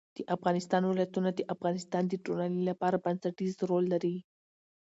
د افغانستان ولايتونه د افغانستان د ټولنې لپاره بنسټيز رول لري.